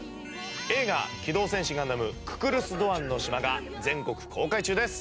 映画『機動戦士ガンダムククルス・ドアンの島』が全国公開中です。